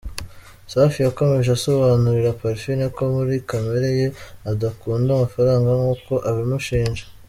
Safi yakomeje asobanurira Parfine ko muri kamere ye ‘adakunda amafaranga nk’uko abimushinja.